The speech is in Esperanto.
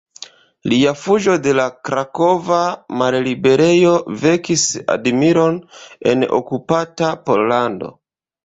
Lia fuĝo de la krakova malliberejo vekis admiron en okupata Pollando.